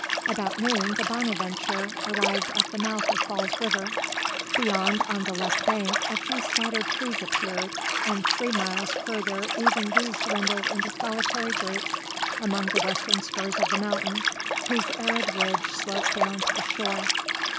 About noon the Bonadventure arrived at the mouth of Falls River. Beyond, on the left bank, a few scattered trees appeared, and three miles further even these dwindled into solitary groups among the western spurs of the mountain, whose arid ridge sloped down to the shore.